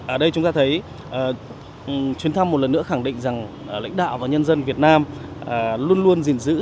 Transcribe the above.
ở đây chúng ta thấy chuyến thăm một lần nữa khẳng định rằng lãnh đạo và nhân dân việt nam luôn luôn gìn giữ